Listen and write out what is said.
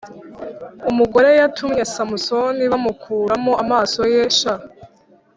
umugore yatumye samusoni bamukuramo amaso ye sha